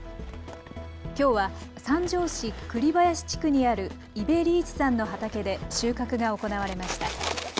きょうは三条市栗林地区にある伊部利一さんの畑で収穫が行われました。